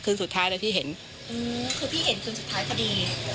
สุดท้ายเลยที่เห็นอืมคือพี่เห็นคืนสุดท้ายพอดี